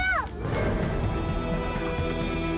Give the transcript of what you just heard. laki laki tuh sama aja